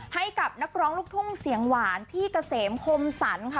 ให้กับนักร้องลูกทุ่งเสียงหวานพี่เกษมคมสรรค่ะ